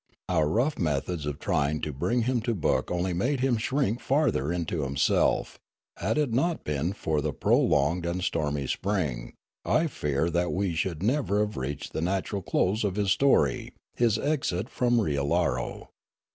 Our rough methods of trying to bring him to book only made him shrink farther into himself, and had it not been for the pro longed and stormy spring I fear that we should never have reached the natural close of his story, his exit from Riallaro.